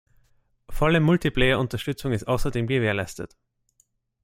Volle Multiplayer-Unterstützung ist außerdem gewährleistet.